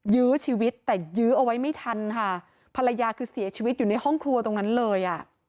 ยื้อชีวิตแต่ยื้อเอาไว้ไม่ทันค่ะภรรยาคือเสียชีวิตอยู่ในห้องครัวตรงนั้นเลยอ่ะ